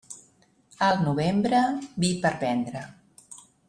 El novembre, vi per vendre.